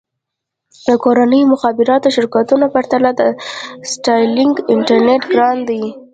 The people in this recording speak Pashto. د کورنیو مخابراتي شرکتونو پرتله د سټارلېنک انټرنېټ ګران دی.